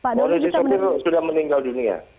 kondisi sopir sudah meninggal dunia